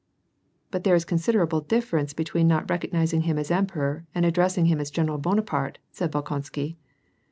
" But there is considerable difference between not recogniz ing him as emperor and addressing him as Greneral Bona parte," said Bolkonsky.